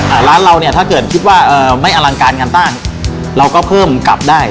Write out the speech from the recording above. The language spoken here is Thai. ร้านเราเนี่ยถ้าเกิดคิดว่าเอ่อไม่อลังการงานตั้งเราก็เพิ่มกลับได้